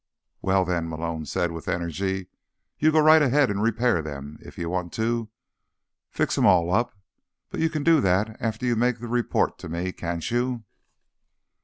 "Well, then," Malone said with energy, "you go right ahead and repair them, if you want to. Fix 'em all up. But you can do that after you make the report to me, can't you?"